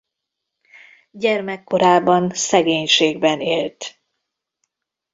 Gyermekkorában szegénységben élt.